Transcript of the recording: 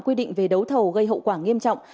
quy định về đấu thầu gây hậu quả nghiêm trọng